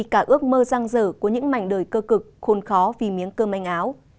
và ước mơ răng rở của những mảnh đời cơ cực khôn khó vì miếng cơm anh áo